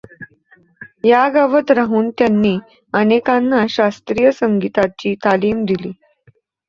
या गावात राहून त्यांनी अनेकांना शास्त्रीय संगीताची तालीम दिली.